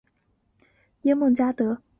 雷神索尔手持雷神之锤对上耶梦加得。